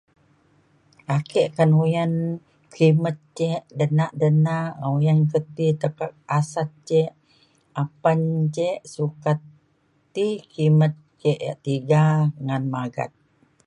ake kan uyan kimet kek denak-denak un uyan pa ti tepat asat kek apan kek sukat ti kimet kek yak tiga ngan magat